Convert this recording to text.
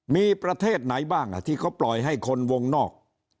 มีประเทศไหนบ้างที่เขาปล่อยให้คนวงนอก